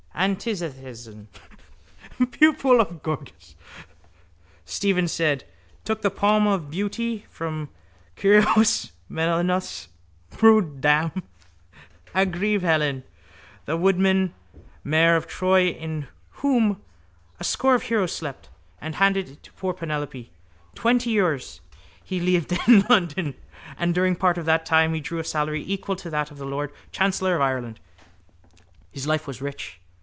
—Antisthenes, pupil of Gorgias, Stephen said, took the palm of beauty from Kyrios Menelaus' brooddam, Argive Helen, the wooden mare of Troy in whom a score of heroes slept, and handed it to poor Penelope. Twenty years he lived in London and, during part of that time, he drew a salary equal to that of the lord chancellor of Ireland. His life was rich.